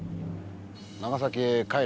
長崎へ帰れ。